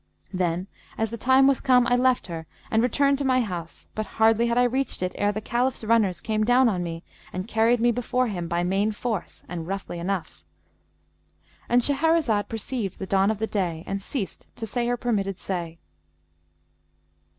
Then, as the time was come, I left her and returned to my house, but hardly had I reached it, ere the Caliph's runners came down on me and carried me before him by main force and roughly enough."—And Shahrazad perceived the dawn of day and ceased to say her permitted say.